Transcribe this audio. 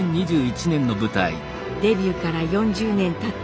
デビューから４０年たった